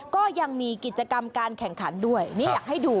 ก็ยังมีกิจกรรมการแข่งขันด้วยนี่อยากให้ดู